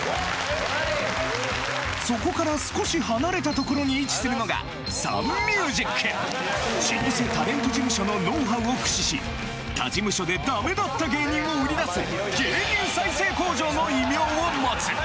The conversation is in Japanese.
そこから少し離れた所に位置するのが老舗タレント事務所のノウハウを駆使し他事務所でダメだった芸人を売り出すの異名を持つ！